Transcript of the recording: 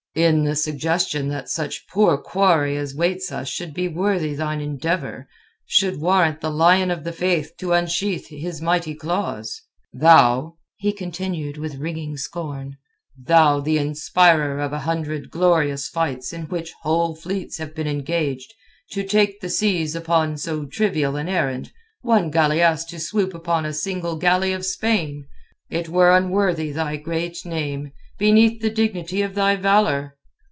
"In the suggestion that such poor quarry as waits us should be worthy thine endeavour, should warrant the Lion of the Faith to unsheathe his mighty claws. Thou," he continued with ringing scorn, "thou the inspirer of a hundred glorious fights in which whole fleets have been engaged, to take the seas upon so trivial an errand—one galeasse to swoop upon a single galley of Spain! It were unworthy thy great name, beneath the dignity of thy valour!"